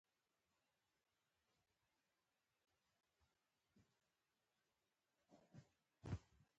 جگر شاوخوا پنځه سوه ډوله انزایم لري.